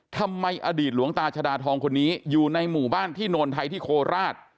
ทำไมอดีตหลวงตาชดาทองคนนี้อยู่ในหมู่บ้านที่โนนไทยที่โคราช